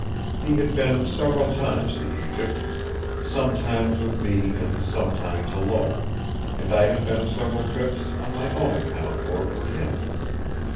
He had been several times to Egypt, sometimes with me and sometimes alone; and I had been several trips, on my own account or for him.